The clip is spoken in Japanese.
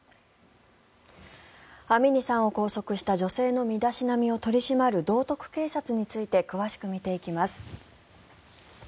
アミニさんを拘束した女性の身だしなみを取り締まる道徳警察について詳しく見ていきます。